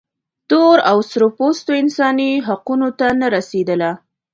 تور او سره پوستو انساني حقونو ته نه رسېدله.